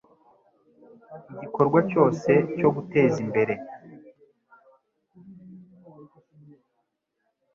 igikorwa cyose cyo guteza imbere,